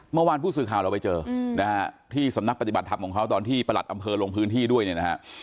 เมื่อวานผู้สื่อข่าวเราไปเจอนะฮะที่สำนักปฏิบัติธรรมของเขาตอนที่ประหลัดอำเภอลงพื้นที่ด้วยเนี่ยนะฮะ